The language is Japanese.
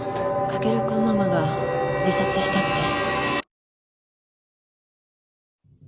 翔君ママが自殺したって